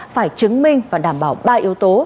phải chứng minh và đảm bảo ba yếu tố